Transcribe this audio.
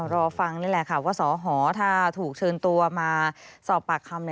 รอฟังนี่แหละค่ะว่าสหถ้าถูกเชิญตัวมาสอบปากคำ